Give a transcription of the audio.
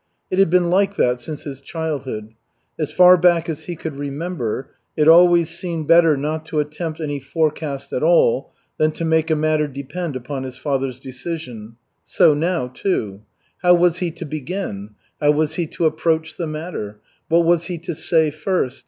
It had been like that since his childhood. As far back as he could remember, it always seemed better not to attempt any forecast at all than to make a matter depend upon his father's decision. So now, too. How was he to begin? How was he to approach the matter? What was he to say first?